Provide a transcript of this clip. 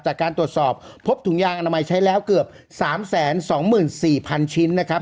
จากการตรวจสอบพบถุงยางอนามัยใช้แล้วเกือบ๓๒๔๐๐๐ชิ้นนะครับ